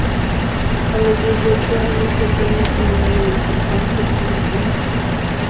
A los dieciocho años entró en el seminario en San Juan, cerca de Meaux.